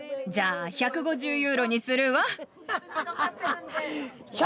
じゃあ１５０ユーロにするわ。